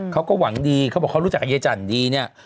เขาก็หวังดีเขาบอกเขารู้จักกับยายจันดีเนี่ย